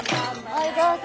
ほいどうぞ。